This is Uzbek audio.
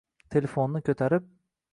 Telefonni koʻtarib